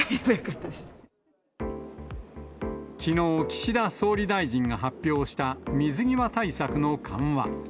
きのう、岸田総理大臣が発表した水際対策の緩和。